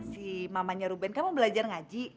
si mamanya ruben kamu belajar ngaji